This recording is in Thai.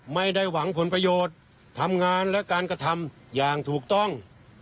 ไม่ได้หวังผลประโยชน์ทำงานและการกระทำอย่างถูกต้อง